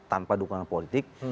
tanpa dukungan politik